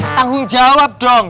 tanggung jawab dong